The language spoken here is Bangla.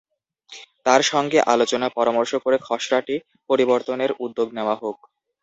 তাঁদের সঙ্গে আলোচনা পরামর্শ করে খসড়াটি পরিবর্তনের উদ্যোগ নেওয়া হোক।